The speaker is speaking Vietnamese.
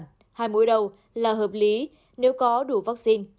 hai mũi đầu là hợp lý nếu có đủ vaccine